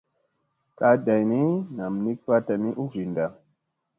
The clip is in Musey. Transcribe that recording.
Kaa dayni nam nik vaɗta ni u vinda.